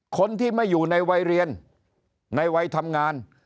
คนที่ไม่อยู่ในวัยเรียนในวัยทำงาน